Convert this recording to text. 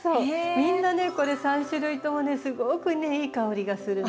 みんなねこれ３種類ともねすごくねいい香りがするの。